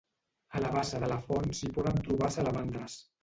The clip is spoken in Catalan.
A la bassa de la font s'hi poden trobar salamandres.